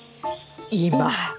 今。